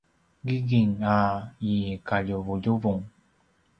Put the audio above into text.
gingging a i kaljuvuljuvung